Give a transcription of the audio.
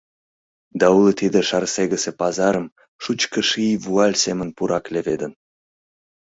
Да уло тиде Шарсегысе пазарым шучко ший вуаль семын пурак леведын.